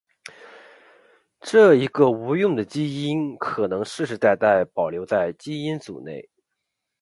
这一个无用的基因可能世世代代保留在基因组内。